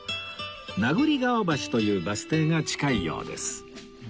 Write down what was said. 名栗川橋というバス停が近いようです